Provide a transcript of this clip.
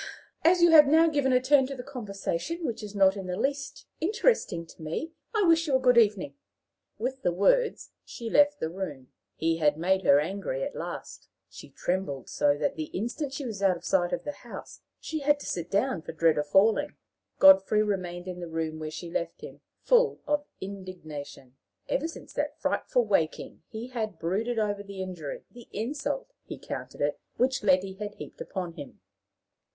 "As you have now given a turn to the conversation which is not in the least interesting to me, I wish you a good evening." With the words, she left the room. He had made her angry at last. She trembled so that, the instant she was out of sight of the house, she had to sit down for dread of falling. Godfrey remained in the room where she left him, full of indignation. Ever since that frightful waking, he had brooded over the injury the insult, he counted it which Letty had heaped upon him.